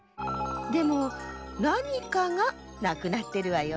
でもなにかがなくなってるわよ。